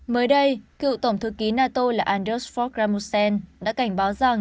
mới đây cựu tổng thư ký nato là anders fogh rasmussen đã cảnh báo rằng